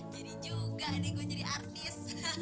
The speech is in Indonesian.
jadi juga deh gue jadi artis